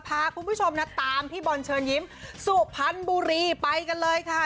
พาคุณผู้ชมนะตามพี่บอลเชิญยิ้มสุพรรณบุรีไปกันเลยค่ะ